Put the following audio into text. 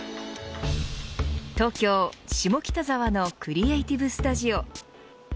東京、下北沢のクリエイティブスタジオ。